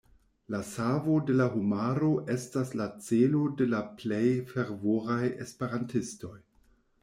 La savo de la homaro estas la celo de la plej fervoraj Esperantistoj.